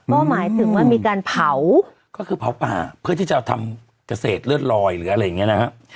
ก็หมายถึงว่ามีการเผาก็คือเผาป่าเพื่อที่จะทำเกษตรเลือดลอยหรืออะไรอย่างเงี้นะฮะ